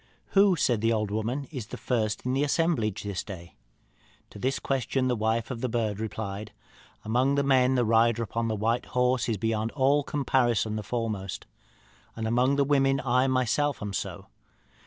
'Who,' said the old woman, 'is the first in the assemblage this day?' To this question the wife of the bird replied, 'Among the men, the rider upon the white horse is beyond all comparison the foremost. Among the women, I myself am so.